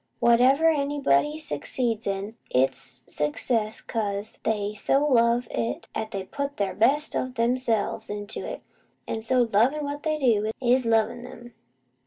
Whatever anybody succeeds in, it's success 'cos they so love it 'at they put the best o' theirselves into it; an' so, lovin' what they do, is lovin' them.